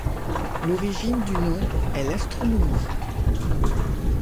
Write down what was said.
L'origine du nom est l'astronomie.